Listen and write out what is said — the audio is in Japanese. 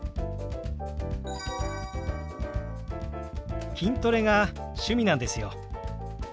筋トレが趣味なんですよ。